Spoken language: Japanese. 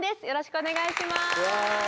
よろしくお願いします。